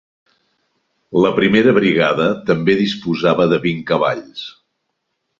La primera brigada també disposava de vint cavalls.